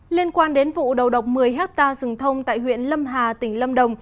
liên quan đến vụ đầu độc một mươi hectare rừng thông tại huyện lâm hà tỉnh lâm đồng